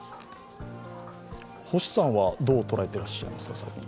星さんはどう捉えていらっしゃいますか？